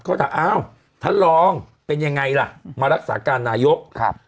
เขาถามอ้าวท่านรองเป็นยังไงล่ะมารักษาการนายกครับ